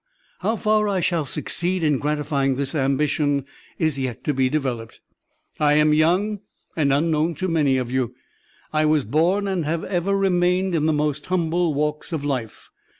How far I shall succeed in gratifying this ambition is yet to be developed. I am young and unknown to many of you. I was born, and have ever remained in the most humble walks of life.